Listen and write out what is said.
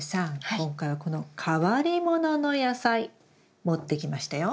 今回はこの変わりものの野菜持ってきましたよ。